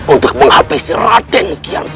untuk menghabisi raden kian